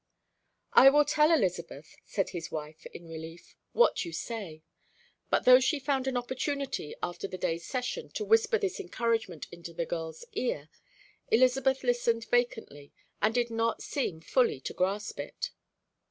"I will tell Elizabeth," said his wife, in relief, "what you say." But though she found an opportunity after the day's session, to whisper this encouragement into the girl's ear, Elizabeth listened vacantly and did not seem fully to grasp it.